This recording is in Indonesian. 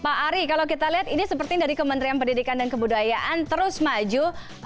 pak ari kalau kita lihat ini seperti dari kementerian pendidikan dan kebudayaan terus maju